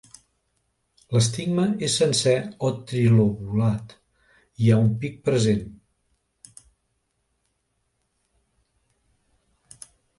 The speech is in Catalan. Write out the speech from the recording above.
L'estigma és sencer o trilobulat; hi ha un pic present.